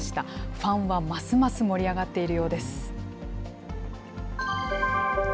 ファンはますます盛り上がっているようです。